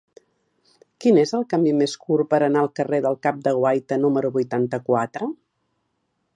Quin és el camí més curt per anar al carrer del Cap de Guaita número vuitanta-quatre?